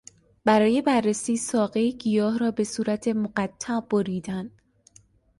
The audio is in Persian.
برای بررسی ساقهی گیاه را به صورت مقطع بریدن